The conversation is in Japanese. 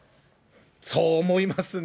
そう思いますね。